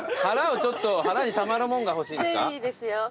腹をちょっと腹にたまるもんが欲しいんですか？